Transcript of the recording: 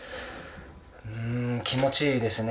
ん気持ちいいですね